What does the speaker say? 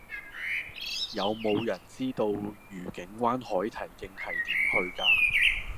有無人知道愉景灣海堤徑係點去㗎